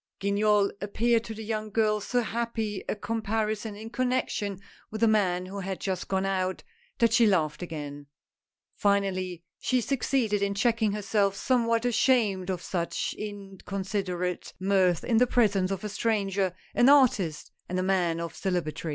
" 150 A NEW ASPIRANT. Guignol appeared to the young girl so happy a com parison in connection with the man who had just gone out that she laughed again. Finally she succeeded in checking herself, somewhat ashamed of such incon siderate mirth in the presence of a stranger, an artist and a man of celebrity.